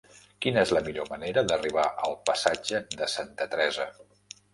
Quina és la millor manera d'arribar al passatge de Santa Teresa?